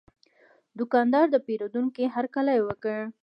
دوکاندار د پیرودونکي هرکلی وکړ.